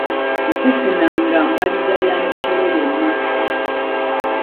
Tetufunanga mbalirira ya misolo yonna.